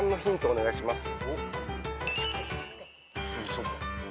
お願いします。